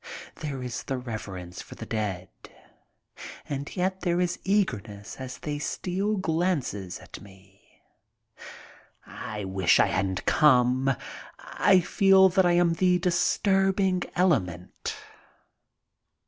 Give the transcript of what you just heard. There is the reverence for the dead and yet there is eagerness as they steal glances at me. I wish I hadn't come. I feel that I am the disturbing element.